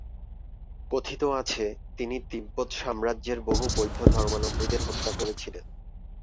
কথিত আছে, তিনি তিব্বত সাম্রাজ্যে বহু বৌদ্ধ ধর্মাবলম্বীদের হত্যা করেছিলেন।